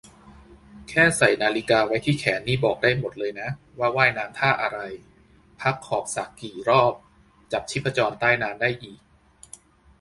แค่ใส่นาฬิกาไว้ที่แขนนี่บอกได้หมดเลยนะว่าว่ายน้ำท่าอะไร พักขอบสระกี่รอบ จับชีพจรใต้น้ำได้อีก